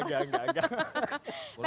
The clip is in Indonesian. enggak enggak enggak